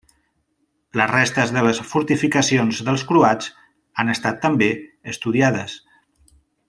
Les restes de les fortificacions dels croats han estat també estudiades.